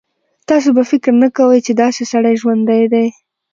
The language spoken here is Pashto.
تاسو به فکر نه کوئ چې داسې سړی ژوندی دی.